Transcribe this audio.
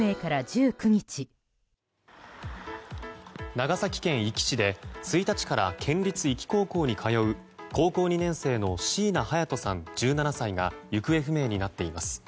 長崎県壱岐市で１日から県立壱岐高校に通う高校２年生の椎名隼都さん、１７歳が行方不明になっています。